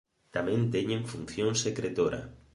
Tamén teñen función secretora.